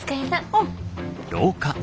うん。